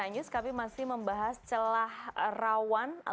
harus di situ dulu oke